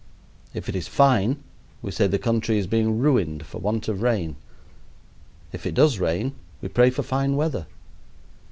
If it is fine we say the country is being ruined for want of rain; if it does rain we pray for fine weather.